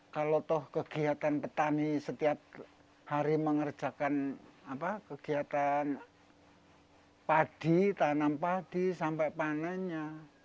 kalau toh kegiatan petani setiap hari mengerjakan kegiatan padi tanam padi sampai panennya